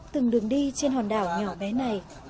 từng đường đi trên hòn đảo nhỏ bé này